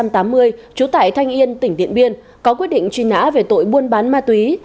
trú tại thanh yên tỉnh điện biên có quyết định truy nã về tội buôn bán ma túy